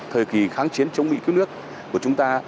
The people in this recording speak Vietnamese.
thời kỳ kháng chiến chống mỹ cứu nước của chúng ta